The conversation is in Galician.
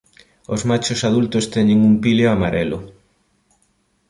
Os machos adultos teñen un píleo amarelo.